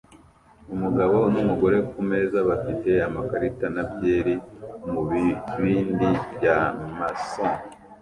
Umugabo numugore kumeza bafite amakarita na byeri mubibindi bya mason